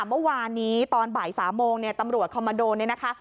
เมื่อวานนี้ตอนบ่าย๓โมงเนี่ยตำรวจคอมมาโดเนี่ยนะคะ